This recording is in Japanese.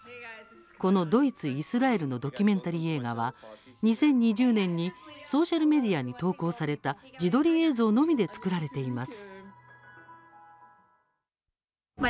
このドイツ、イスラエルのドキュメンタリー映画は２０２０年にソーシャルメディアに投稿された自撮り映像のみで作られています。